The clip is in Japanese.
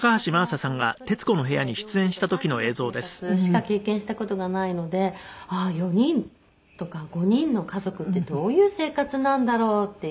「私は一人っ子で両親と３人の生活しか経験した事がないので４人とか５人の家族ってどういう生活なんだろうっていう」